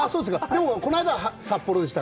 でも、この間は札幌でした。